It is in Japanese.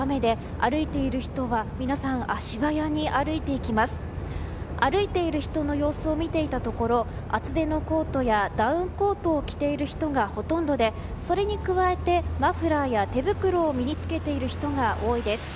歩いている人の様子を見ていたところ厚手のコートやダウンコートを着ている人がほとんどでそれに加えてマフラーや手袋を身に着けている人が多いです。